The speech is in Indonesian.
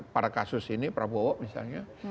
pada kasus ini prabowo misalnya